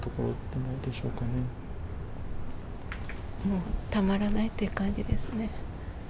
もうたまらないという感じですね。